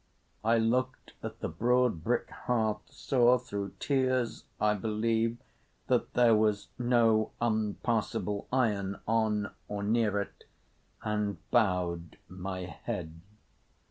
I looked at the broad brick hearth, saw, through tears I believe, that there was no unpassable iron on or near it, and bowed my head.